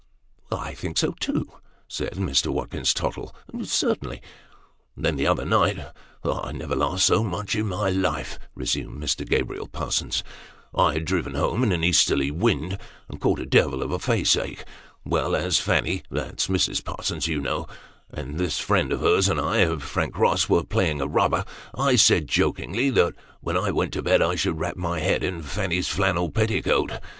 " I think so, too," said Mr. Watkins Tottle ;" certainly." 330 Sketches by Bos. " And then, the other night I never laughed so much in my life " resumed Mr. Gabriel Parsons ;" I had driven home in an easterly wind, and caught a devil of a face ache. Well; as Fanny that's Mrs. Parsons, you know and this friend of hers, and I, and Frank Eoss, were playing a rubber, I said, jokingly, that when I went to bed I should wrap my head in Fanny's flannel petticoat.